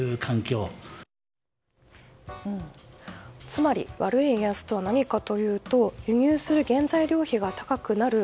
つまり、悪い円安とは何かというと輸入する原材料費が高くなる。